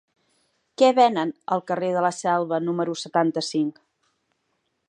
Què venen al carrer de la Selva número setanta-cinc?